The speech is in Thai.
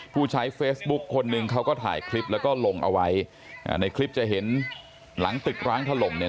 ผู้ใช้เฟซบุ๊คคนหนึ่งเขาก็ถ่ายคลิปแล้วก็ลงเอาไว้อ่าในคลิปจะเห็นหลังตึกร้างถล่มเนี่ย